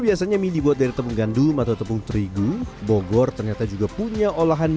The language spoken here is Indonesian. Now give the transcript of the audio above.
biasanya mie dibuat dari tepung gandum atau tepung terigu bogor ternyata juga punya olahan